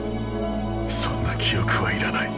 そんな記憶はいらない。